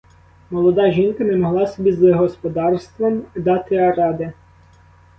Молода жінка не могла собі з господарством дати ради.